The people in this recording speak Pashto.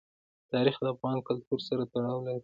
تاریخ د افغان کلتور سره تړاو لري.